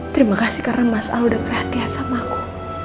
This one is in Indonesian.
terima kasih karena mas al udah perhatian sama aku